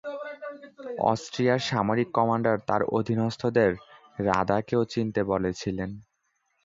অস্ট্রিয়ার সামরিক কমান্ডার তার অধীনস্থদের রাদাকেও চিনতে বলেছিলেন।